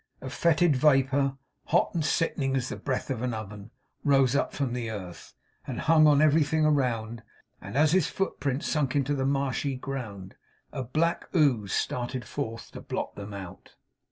A fetid vapour, hot and sickening as the breath of an oven, rose up from the earth, and hung on everything around; and as his foot prints sunk into the marshy ground, a black ooze started forth to blot them out.